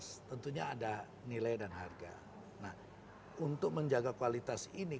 setelah tadi kualitas sudah